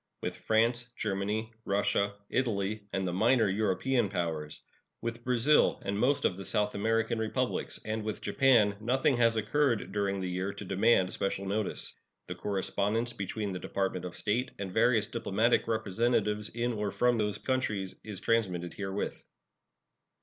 With France, Germany, Russia, Italy, and the minor European powers; with Brazil and most of the South American Republics, and with Japan, nothing has occurred during the year to demand special notice. The correspondence between the Department of State and various diplomatic representatives in or from those countries is transmitted herewith.